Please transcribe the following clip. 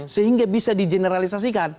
sehingga bisa di generalisasikan